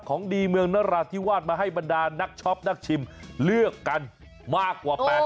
ของดีเมืองนราธิวาสมาให้บรรดานักช็อปนักชิมเลือกกันมากกว่า๘๐